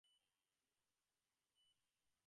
রাজা হতে আমি ভালোবাসি।